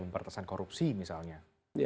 pembatasan korupsi misalnya